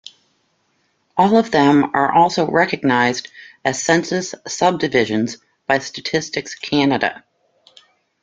All of them are also recognized as census subdivisions by Statistics Canada.